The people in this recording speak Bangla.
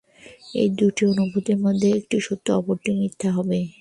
এই দুটি অনুভূতির মধ্যে একটি সত্য, অপরটি মিথ্যা হবেই।